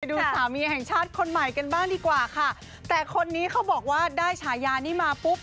ดูสามีแห่งชาติคนใหม่กันบ้างดีกว่าค่ะแต่คนนี้เขาบอกว่าได้ฉายานี้มาปุ๊บ